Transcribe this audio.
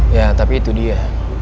ya tapi itu dia